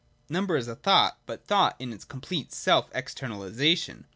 Number is a thought, but thought in its complete self externalisation.